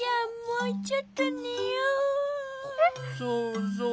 そうそう。